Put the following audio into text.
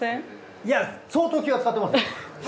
いや相当気は遣ってます。